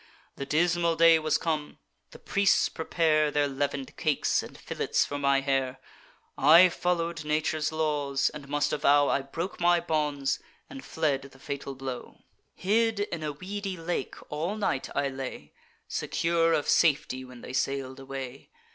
The dismal day was come; the priests prepare Their leaven'd cakes, and fillets for my hair. I follow'd nature's laws, and must avow I broke my bonds and fled the fatal blow. Hid in a weedy lake all night I lay, Secure of safety when they sail'd away.